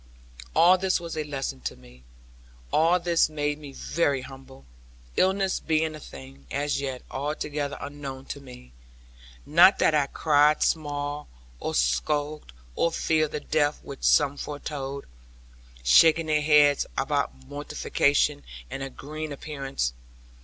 All this was a lesson to me. All this made me very humble; illness being a thing, as yet, altogether unknown to me. Not that I cried small, or skulked, or feared the death which some foretold; shaking their heads about mortification, and a green appearance.